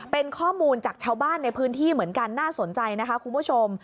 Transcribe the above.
เป็นข้อมูลจากชาวบ้านในพื้นที่เหมือนกันน่าสนใจนะคะคุณผู้ชม